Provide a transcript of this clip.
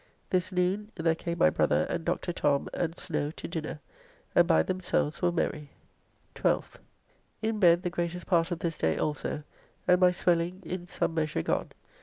This noon there came my brother and Dr. Tom and Snow to dinner, and by themselves were merry. 12th. In bed the greatest part of this day also, and my swelling in some measure gone.